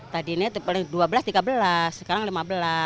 tadi ini rp dua belas rp tiga belas sekarang rp lima belas